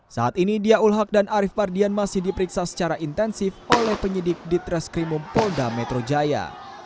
saat ini dia ulhak dan arief fardian masih diperiksa secara intensif oleh penyidik di treskrimu polda metrojaya